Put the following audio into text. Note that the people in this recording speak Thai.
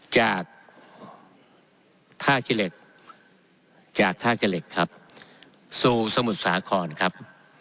จากท่าขี้เหล็กจากท่าขี้เหล็กครับสู่สมุทรสาครครับ